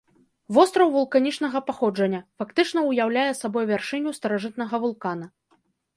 Востраў вулканічнага паходжання, фактычна ўяўляе сабой вяршыню старажытнага вулкана.